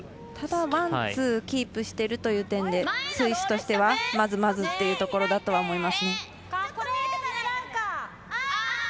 ただ、ワン、ツーキープしているという点でスイスとしては、まずまずというところだと思いますね。